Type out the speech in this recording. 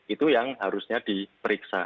itu yang harusnya diperiksa